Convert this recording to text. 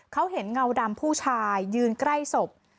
เขาเห็นเงาดำผู้ชายยืนใกล้ศพ